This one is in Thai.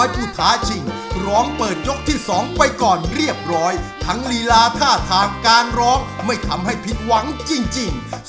เบานี้สุดในกคริสไทยจำเหตุธรรมไอเต้นที่ได้